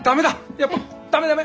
やっぱ駄目駄目！